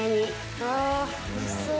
うわおいしそう！